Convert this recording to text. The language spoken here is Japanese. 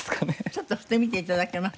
ちょっと振ってみて頂けます？